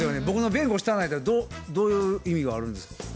僕の弁護したないてどういう意味があるんですか？